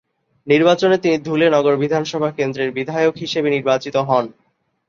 নির্বাচনে তিনি ধুলে নগর বিধানসভা কেন্দ্রের বিধায়ক হিসেবে নির্বাচিত হন।